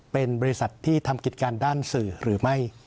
เป็นบริษัทที่ทำกิจการด้านสื่อหรือไม่